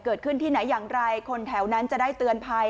ที่ไหนอย่างไรคนแถวนั้นจะได้เตือนภัย